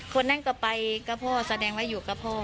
คนนั้นก็ไปกับพ่อแสดงว่าอยู่กับพ่อ